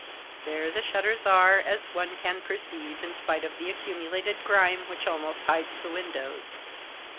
There the shutters are, as one can perceive in spite of the accumulated grime which almost hides the windows.